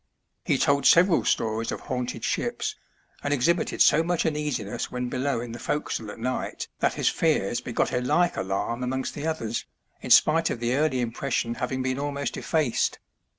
He told several stories of haunted ships, and exhibited so much uneasiness when below in the forecastle at night that his fears begot a A LUMINOUS SAILOH. 287 like alarm amongst the others, in spite of the early impression having been almost effaced.